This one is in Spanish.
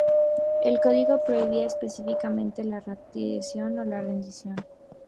El código prohibía específicamente la retirada o la rendición.